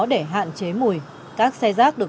để hạn chế mùi các xe rác được